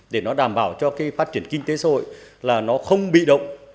để nó đảm bảo cho cái phát triển kinh tế xã hội là nó không bị động